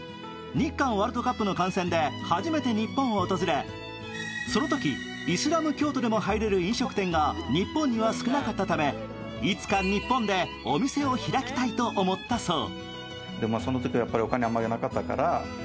日韓ワールドカップの観戦で初めて日本を訪れそのとき、イスラム教徒でも入れる飲食店が日本には少なかったため、いつか日本でお店を開きたいと思ったそう。